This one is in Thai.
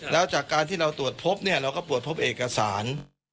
แล้วจากการที่เราตรวจพบเนี่ยเราก็ตรวจพบเอกสาร